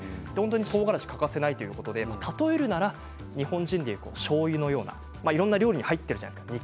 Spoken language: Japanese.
とうがらし、欠かせないということで、例えるなら日本人でいうしょうゆのようないろんな料理に入っているじゃないですか。